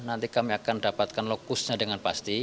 nanti kami akan dapatkan lokusnya dengan pasti